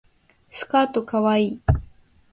スカートかわいい